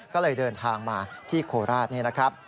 ก็เลยเดินทางมาที่โคราชนี่นะครับ